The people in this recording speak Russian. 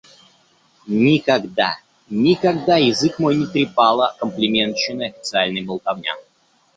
Никогда, никогда язык мой не трепала комплиментщины официальной болтовня.